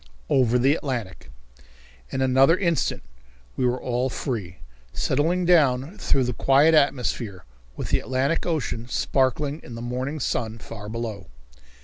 Over the Atlantic. In another instant we were all free, settling down through the quiet atmosphere with the Atlantic Ocean sparkling in the morning sun far below.